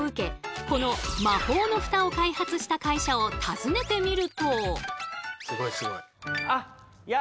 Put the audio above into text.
この魔法のフタを開発した会社を訪ねてみると。